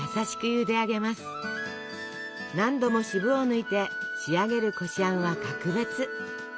何度も渋を抜いて仕上げるこしあんは格別。